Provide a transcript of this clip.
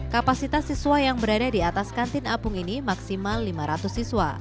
kapasitas siswa yang berada di atas kantin apung ini maksimal lima ratus siswa